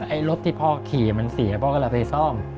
ไอ้รถที่พ่อขี่มันเสียพ่อก็เลยไปซ่อม